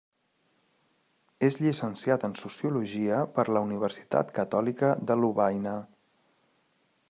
És llicenciat en Sociologia per la Universitat Catòlica de Lovaina.